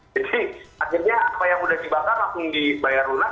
jadi akhirnya apa yang sudah dibakar langsung dibayar lunas